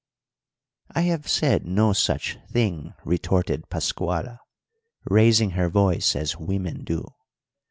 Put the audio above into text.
"'I have said no such thing,' retorted Pascuala, raising her voice as women do.